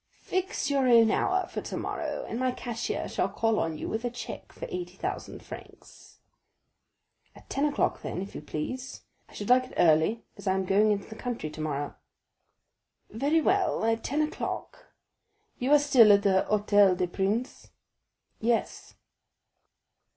"Fix your own hour for tomorrow, and my cashier shall call on you with a check for eighty thousand francs." "At ten o'clock then, if you please; I should like it early, as I am going into the country tomorrow." "Very well, at ten o'clock; you are still at the Hôtel des Princes?" "Yes."